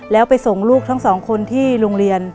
แล้วไปส่งลูกทั้งสองคนที่โรงเรียน